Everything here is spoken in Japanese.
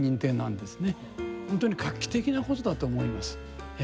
本当に画期的なことだと思いますええ。